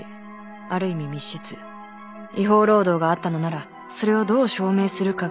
ある意味密室違法労働があったのならそれをどう証明するかが鍵